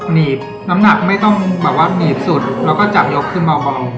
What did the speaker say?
หนีบน้ำหนักไม่ต้องแบบว่าหนีบสุดแล้วก็จับยกขึ้นเบา